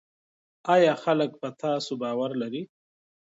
آیا خلک په تاسو باور لري؟